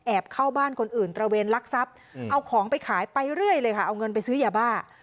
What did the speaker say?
เข้าบ้านคนอื่นตระเวนลักทรัพย์เอาของไปขายไปเรื่อยเลยค่ะเอาเงินไปซื้อยาบ้า